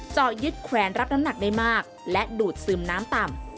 เจาะยึดแขวนรับน้ำหนักได้มากและดูดซึมน้ำต่ำ